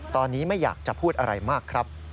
ตอนนี้ไม่อยากจะพูดอะไรมากครับ